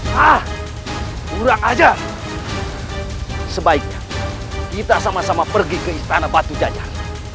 hai ah murah aja sebaiknya kita sama sama pergi ke istana batu jajan